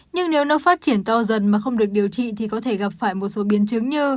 nhưng nếu nó phát triển to dần mà không được điều trị thì có thể gặp phải một số biến chứng như